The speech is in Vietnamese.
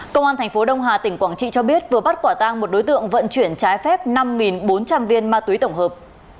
công an thành phố đông hà tỉnh quảng trị cho biết vừa bắt quả tang một đối tượng vận chuyển trái phép năm bốn trăm linh viên ma túy tổng hợp